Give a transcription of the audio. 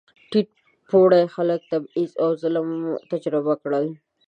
ټیټ پوړي خلک تبعیض او ظلم تجربه کړل.